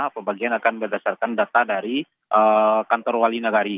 pembagian akan berdasarkan data dari kantor wali nagari